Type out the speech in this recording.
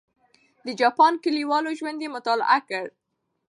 د جاپان کلیوالو ژوند یې مطالعه کړ.